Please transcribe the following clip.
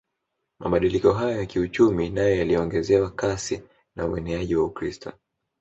Mabadiliko hayo ya kiuchumi nayo yaliongezewa kasi na ueneaji wa Ukristo